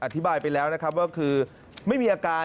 อธิบายไปแล้วนะครับว่าคือไม่มีอาการ